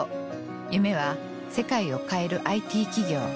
夢は世界を変えるＩＴ企業。